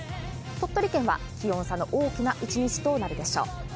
鳥取県は気温差の大きな一日となるでしょう。